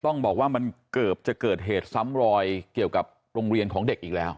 ต้องบอกว่ามันเกือบจะเกิดเหตุซ้ำรอยเกี่ยวกับโรงเรียนของเด็กอีกแล้ว